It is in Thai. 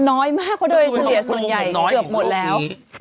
น้อยมากเพราะโดยเฉลี่ยส่วนใหญ่เกือบหมดแล้ว